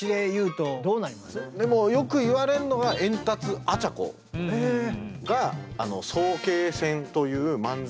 でもよく言われるのはエンタツアチャコが「早慶戦」という漫才を作家さん